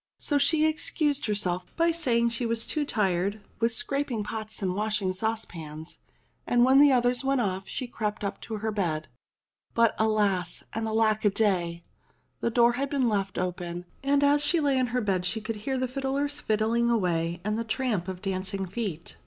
So she excused herself by saying she was too tired with scraping pots and washing saucepans ; and when the others went off, she crept up to her bed. But alas ! and alack a day ! The door had been left open, 302 ENGLISH F!AIRY TALES and as she lay in her bed she could hear the fiddlers fiddling away and the tramp of dancing feet.